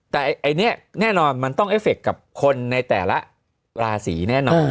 แต่อันนี้แน่นอนมันต้องเอฟเคกับคนในแต่ละราศีแน่นอน